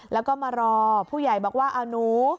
แล้วก็มารอผู้ใหญ่บอกว่าเอาหนู